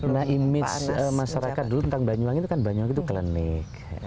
nah image masyarakat dulu tentang banyuwangi itu kan banyuwangi itu klinik